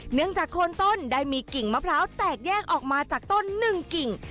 จากโคนต้นได้มีกิ่งมะพร้าวแตกแยกออกมาจากต้นหนึ่งกิ่ง